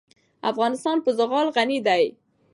افغانستان په زغال غني دی.